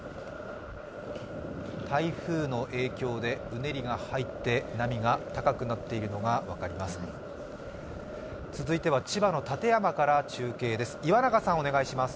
台風の影響でうねりが入って波が高くなっているのが分かります。